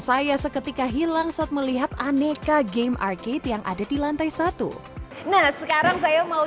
saya seketika hilang saat melihat aneka game arcade yang ada di lantai satu nah sekarang saya mau